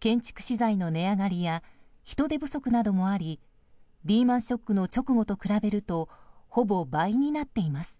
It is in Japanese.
建築資材の値上がりや人手不足などもありリーマン・ショックの直後と比べるとほぼ倍になっています。